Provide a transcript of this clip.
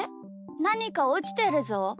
なにかおちてるぞ。